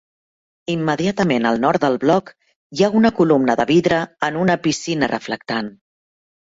Immediatament al nord del bloc, hi ha una columna de vidre en una piscina reflectant.